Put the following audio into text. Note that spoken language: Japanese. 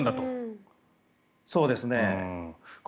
そうですね。